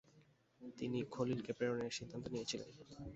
তিনি খলিলকে প্রেরণের সিদ্ধান্ত নিয়েছিলেন।